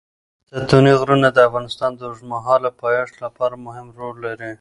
ستوني غرونه د افغانستان د اوږدمهاله پایښت لپاره مهم رول لري.